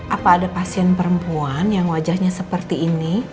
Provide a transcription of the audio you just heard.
apa ada pasien perempuan yang wajahnya seperti ini